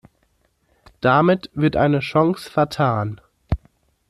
Damit wird eine Chance vertan.